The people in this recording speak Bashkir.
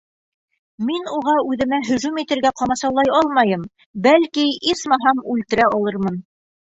Мин уға үҙемә һөжүм итергә ҡамасаулай алмайым, бәлки, исмаһам, үлтерә алырмын.